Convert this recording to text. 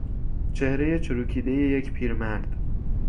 چهرهی چروکیدهی یک پیرمرد